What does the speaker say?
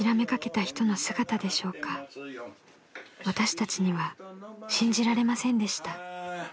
［私たちには信じられませんでした］